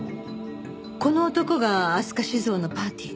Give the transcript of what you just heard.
この男が飛鳥酒造のパーティーに？